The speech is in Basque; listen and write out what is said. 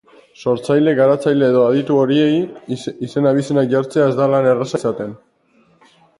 sortzaile, garatzaile edo aditu horiei izen-abizenak jartzea ez da lan erraza izaten